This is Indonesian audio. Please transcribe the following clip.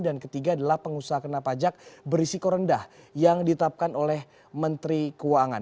dan ketiga adalah pengusaha kena pajak berisiko rendah yang ditetapkan oleh menteri keuangan